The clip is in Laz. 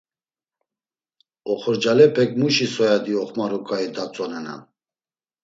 Oxorcalepek muşi soyadi oxmaru ǩai datzonenan.